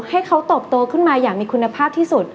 ให้เขาเติบโตขึ้นมาอย่างมีคุณภาพที่สุด